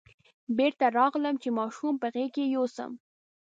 بېرته راغلم چې ماشوم په غېږ کې یوسم.